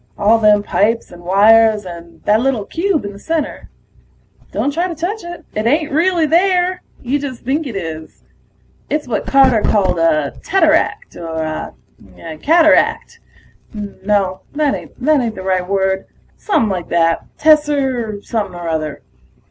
All them pipes and wires and that little cube in the center ... don't try to touch it, it ain't really there. You just think it is. It's what Carter called a teteract, or a cataract ... no, that ain't the right word. Somepin' like that tesser something or other.